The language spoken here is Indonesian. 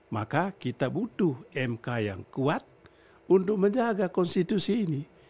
maka kita butuh mk yang kuat untuk menjaga konstitusi ini